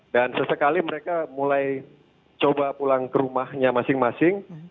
dan sesekali mereka mulai coba pulang ke rumahnya masing masing